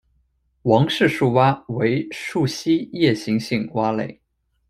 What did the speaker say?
王氏树蛙为树栖夜行性蛙类。